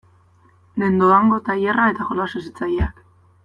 Nendo Dango tailerra eta jolas hezitzaileak.